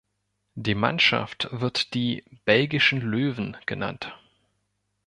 Die Mannschaft wird die „Belgischen Löwen“ genannt.